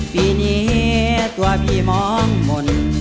ปีนี้ตัวพี่มองมนต์